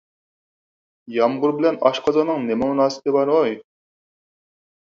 يامغۇر بىلەن ئاشقازاننىڭ نېمە مۇناسىۋىتى بار ھوي؟